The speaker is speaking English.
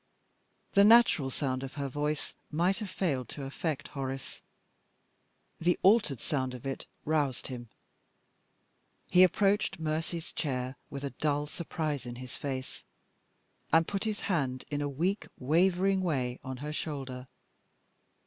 The natural sound of her voice might have failed to affect Horace. The altered sound of it roused him. He approached Mercy's chair, with a dull surprise in his face, and put his hand, in a weak, wavering way, on her shoulder.